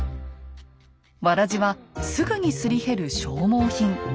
わらじはすぐにすり減る消耗品。